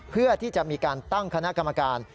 เพื่อที่จะมีการตั้งคณะกรรมการ